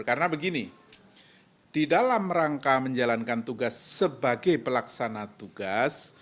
karena begini di dalam rangka menjalankan tugas sebagai pelaksana tugas